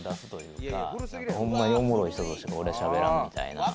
「ホンマにおもろい人としか俺はしゃべらん」みたいな。